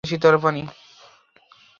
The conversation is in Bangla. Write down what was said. পরিষ্কার, টলমলে, শীতল পানি।